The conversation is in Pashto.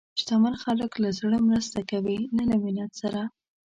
شتمن خلک له زړه مرسته کوي، نه له منت سره.